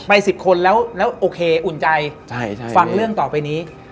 ๑๐คนแล้วโอเคอุ่นใจฟังเรื่องต่อไปนี้